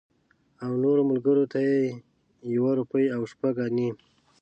او نورو ملګرو ته یې یوه روپۍ او شپږ انې.